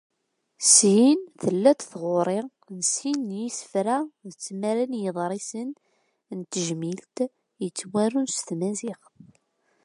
Syin tella-d tɣuri n sin n yisefra d tmara n yiḍrisen n tejmilt, yettwarun s Tmaziɣt.